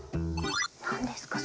何ですか？